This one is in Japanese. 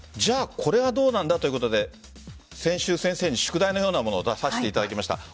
これはどうなんだということで先週、先生に宿題のようなものを出させていただきました。